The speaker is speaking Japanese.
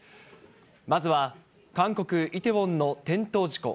まずは、韓国・イテウォンの転倒事故。